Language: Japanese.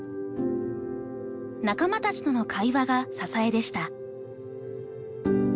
仲間たちとの会話が支えでした。